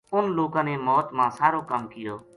اُنھ لوکاں نے موت ما سارو کم کیو